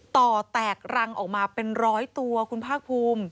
ต่อแตกรังออกมาเป็น๑๐๐ตัวคุณภาครภูมิ